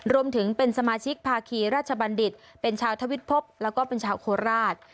รวมถึงเป็นสมาชิกภาคีราชบัณฑิตเป็นชาวทวิตพบแล้วก็เป็นชาวโคราช